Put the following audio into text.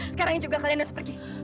sekarang juga kalian harus pergi